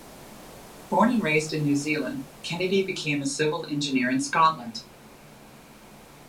Born and raised in New Zealand, Kennedy became a civil engineer in Scotland.